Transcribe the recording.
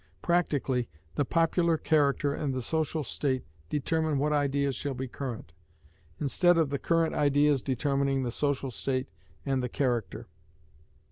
Practically, the popular character and the social state determine what ideas shall be current; instead of the current ideas determining the social state and the character.